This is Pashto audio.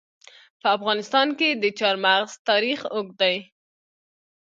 په افغانستان کې د چار مغز تاریخ اوږد دی.